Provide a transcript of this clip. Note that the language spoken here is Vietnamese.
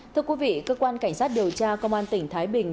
thưa quý vị cơ quan cảnh sát điều tra công an tỉnh thái bình